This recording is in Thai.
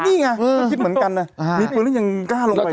นี่ไงก็คิดเหมือนกันนะมีปืนแล้วยังกล้าลงไป